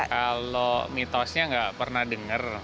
kalau mitosnya nggak pernah dengar